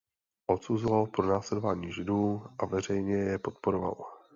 Odsuzoval pronásledování Židů a veřejně je podporoval.